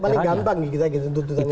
paling gampang kita ditutup dengan itu